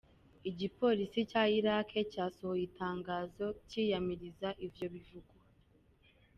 Igipolisi ca Irak casohoye itangazo ciyamiriza ivyo bivugwa.